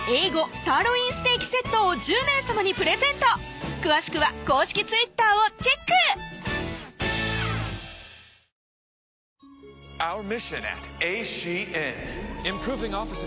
Ａ５サーロインステーキセットを１０名様にプレゼント詳しくは公式Ｔｗｉｔｔｅｒをチェックドーン！